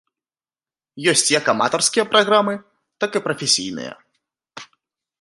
Ёсць як аматарскія праграмы, так і прафесійныя.